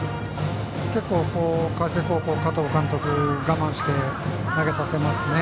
結構、海星高校の加藤監督我慢して投げさせますね。